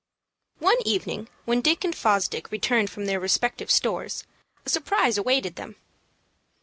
One evening, when Dick and Fosdick returned from their respective stores, a surprise awaited them.